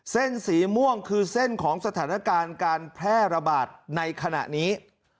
เส้นสีม่วงคือเส้นของสถานการณ์การแพร่ระบาดในขณะนี้